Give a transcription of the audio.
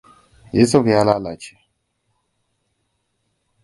Yusuf ya lalace.